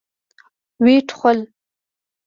ويې ټوخل.